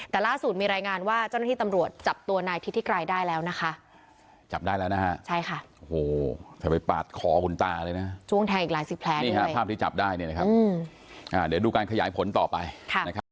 แต่ล่าสุดมีรายงานว่าเจ้าหน้าที่ตำรวจจับตัวนายทิศิกรัยได้แล้วนะคะจับได้แล้วนะฮะใช่ค่ะโอ้โหเธอไปปาดคอคุณตาเลยนะช่วงแทงอีกหลายสิบแผลนี่ฮะภาพที่จับได้เนี่ยนะครับเดี๋ยวดูการขยายผลต่อไปนะครับ